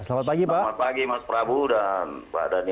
selamat pagi mas prabu dan pak dhani